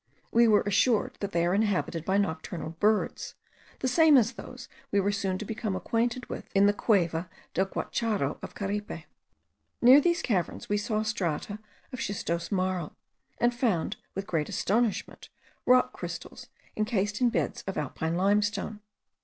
We were assured that they are inhabited by nocturnal birds, the same as those we were soon to become acquainted with in the Cueva del Guacharo of Caripe. Near these caverns we saw strata of schistose marl, and found, with great astonishment, rock crystals encased in beds of alpine limestone.